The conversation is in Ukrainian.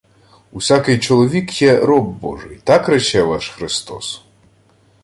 — Усякий чоловік є роб божий. Так рече ваш Христос?